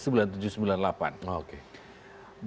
bahwa ada akumulasi aset pada negara